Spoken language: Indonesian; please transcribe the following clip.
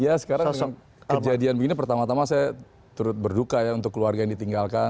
ya sekarang kejadian begini pertama tama saya turut berduka ya untuk keluarga yang ditinggalkan